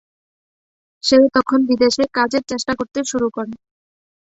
সে তখন বিদেশে কাজের চেষ্টা করতে শুরু করে।